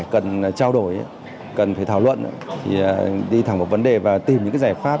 cần trao đổi cần phải thảo luận thì đi thẳng một vấn đề và tìm những giải pháp